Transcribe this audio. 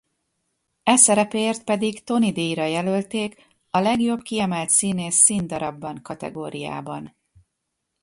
E szerepéért pedig Tony-díjra jelölték a Legjobb Kiemelt Színész Színdarabban kategóriában.